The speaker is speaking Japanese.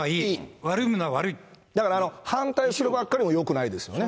だから反対するばっかりもよくないですよね。